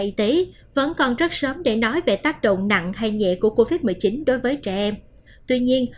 y tế vẫn còn rất sớm để nói về tác động nặng hay nhẹ của covid một mươi chín đối với trẻ em tuy nhiên